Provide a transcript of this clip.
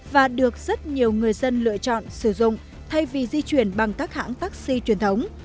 và được rất nhiều người dân lựa chọn sử dụng thay vì di chuyển bằng các hãng taxi truyền thống